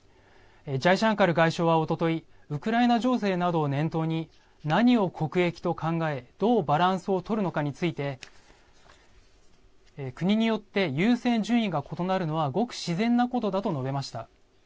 ジャイシャンカル外相はおととい、ウクライナ情勢などを念頭に、何を国益と考え、どうバランスを取るのかについて、国によって優先順位が異なるのはごく自然なことだと述べました。